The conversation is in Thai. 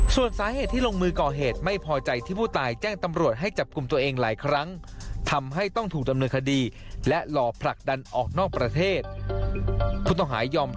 ส่วนสาเหตุที่ลงมือก่อเหตุไม่พอใจที่ผู้ตายแจ้งตำรวจให้จับกลุ่มตัวเองหลายครั้ง